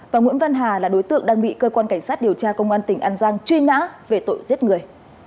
và nguyễn văn hà là đối tượng đang bị cơ quan cảnh sát điều tra công an tỉnh an giang truy nã về tội giết người